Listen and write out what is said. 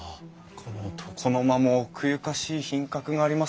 この床の間も奥ゆかしい品格がありますね。